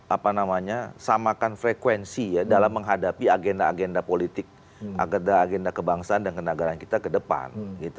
apa namanya samakan frekuensi ya dalam menghadapi agenda agenda politik agenda agenda kebangsaan dan kenagaran kita ke depan